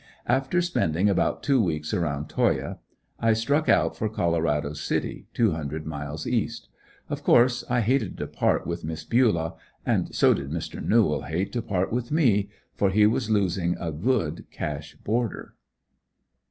After spending about two weeks around Toyah, I struck out for Colorado City, two hundred miles east. Of course I hated to part with Miss Bulah; and so did Mr. Newell hate to part with me, for he was losing a good cash boarder.